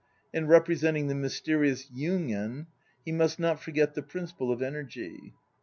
In representing the mysterious (yugen) he must not forget the principle of energy.